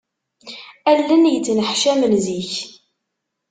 Allen yettneḥcamen zik.